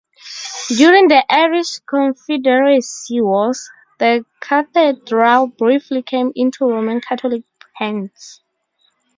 During the Irish Confederacy wars, the cathedral briefly came into Roman Catholic hands.